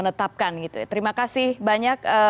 menetapkan gitu ya terima kasih banyak